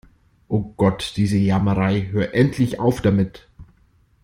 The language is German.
Oh Gott, diese Jammerei. Hör endlich auf damit!